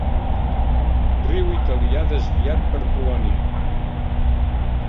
Riu italià desviat per Polònia.